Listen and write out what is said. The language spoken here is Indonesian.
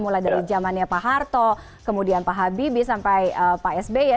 mulai dari zamannya pak harto kemudian pak habibie sampai pak sby ya